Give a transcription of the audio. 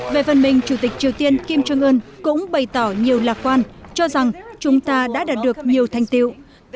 về phần mình chủ tịch triều tiên kim jong un cũng bày tỏ nhiều lạc quan cho rằng chúng ta đã đạt được nhiều thành tiệu